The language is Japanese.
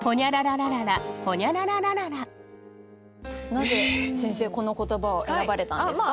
なぜ先生この言葉を選ばれたんですか？